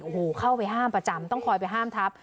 โอ้โหเข้าไปห้ามประจำต้องคอยไปห้ามทับ